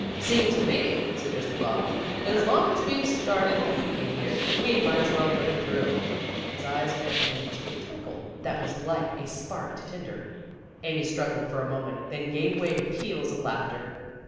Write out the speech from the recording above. "Seems to me," suggested Bob, "that as long as we've started the evening here, we might as well put it through." His eyes met Amy's with a twinkle that was 18 PEGGY RAYMOND'S WAY like a spark to tinder. Amy struggled for a moment, then gave way to peals of laughter.